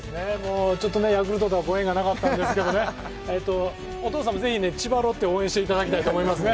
ちょっとヤクルトとはご縁がなかったんですけど、お父さんもぜひ千葉ロッテを応援していただきたいと思いますね。